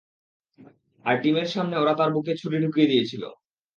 আমার টিমের সামনে ওরা তার বুকে ছুরি ঢুকিয়ে দিয়েছিল।